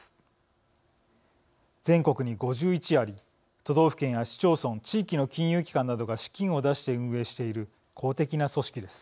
全国に５１あり都道府県や市町村地域の金融機関などが資金を出して運営している公的な組織です。